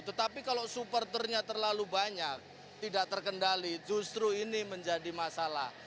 tetapi kalau supporternya terlalu banyak tidak terkendali justru ini menjadi masalah